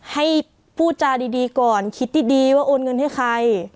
ให้พูดจาดีก่อนคิดดีว่าโอนเงินให้ใคร